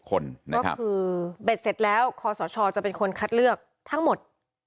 ก็คือเบ็ดเสร็จแล้วคอสชจะเป็นคนคัดเลือกทั้งหมด